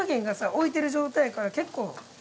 置いてる状態やから結構熱がね